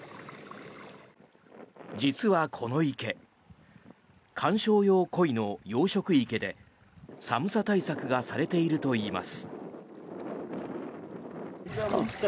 実はこの池観賞用コイの養殖池で寒さ対策がされているといいます。